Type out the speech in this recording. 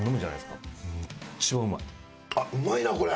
あっうまいなこれ！